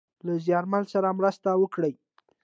له زیارمل سره مرسته وکړﺉ .